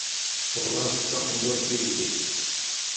Uɣeɣ-as-d taqendurt i yelli.